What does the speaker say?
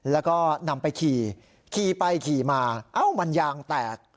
แล้วก็นำไปขี่ขี่ไปขี่มาเอ้ามันยางแตก